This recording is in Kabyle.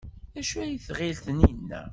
D acu ay tɣil Taninna?